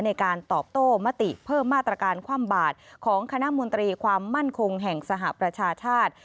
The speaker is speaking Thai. ในการตอบโต้มติเพิ่มมาตรการคว่ำบาดของคณะมนตรีความมั่นคงแห่งสหประชาชาติ